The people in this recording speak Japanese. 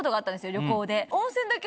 旅行で。